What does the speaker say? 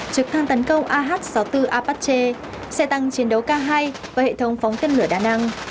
trực thăng tấn công ah sáu mươi bốn apatche xe tăng chiến đấu k hai và hệ thống phóng tên lửa đa năng